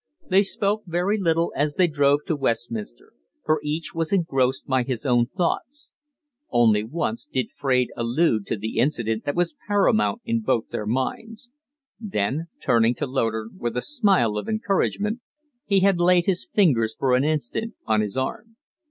They spoke very little as they drove to Westminster, for each was engrossed by his own thoughts. Only once did Fraide allude to the incident that was paramount in both their minds. Then, turning to Loder with a smile of encouragement, he had laid his fingers for an instant on his arm.